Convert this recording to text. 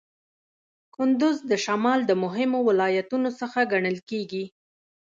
کندز د شمال د مهمو ولایتونو څخه ګڼل کیږي.